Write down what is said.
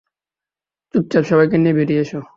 চুপচাপ সবাইকে নিয়ে বেরিয়ে এসো।